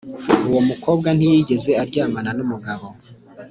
Uwo mukobwa ntiyigeze aryamana n’ umugabo